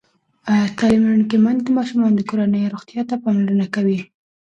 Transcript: تعلیم لرونکې میندې د ماشومانو د کورنۍ روغتیا ته پاملرنه کوي.